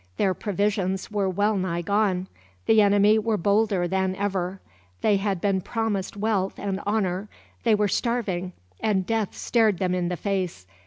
Their provisions were well nigh gone. The enemy were bolder than ever. They had been promised wealth and honor they were starving, and death stared them in the face.